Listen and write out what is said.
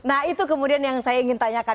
nah itu kemudian yang saya ingin tanyakan